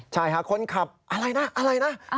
ใช่ค่ะคนขับอะไรนะอะไรนะ